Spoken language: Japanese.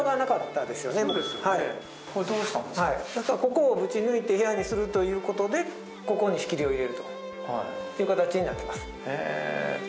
ここをぶち抜いて部屋にするということでここに仕切りを入れるという形になっています。